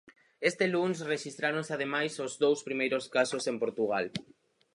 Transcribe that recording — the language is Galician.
Este luns rexistráronse ademais os dous primeiros casos en Portugal.